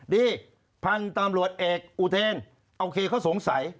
พันธุ์ตำรวจเอกอุเทนโอเคเขาสงสัย